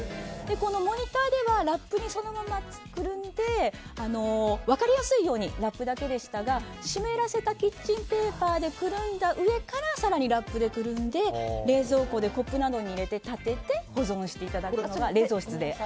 このモニターではラップにそのままくるんで分かりやすいように巻くだけでしたが湿らせたキッチンペーパーでくるんだ上から更にラップでくるんで冷蔵室にコップなどに立てて冷蔵室で保存していただくのが。